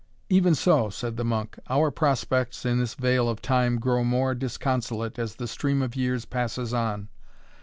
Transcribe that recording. "Even so," said the monk, "our prospects in this vale of time grow more disconsolate as the stream of years passes on.